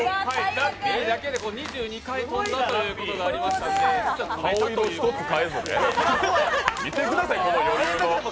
ラッピーだけで２２回跳んだということがありましたので実は跳べたということです。